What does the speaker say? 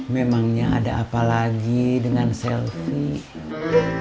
memangnya ada apa lagi dengan selfie